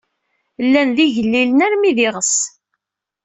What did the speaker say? Llan d igellilen armi d iɣes.